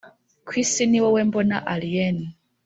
kwisi ni wowe mbona allayne.